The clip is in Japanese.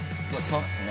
そうっすね